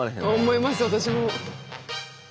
思います私も。